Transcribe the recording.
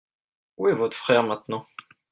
Où est votre frère maintenant ?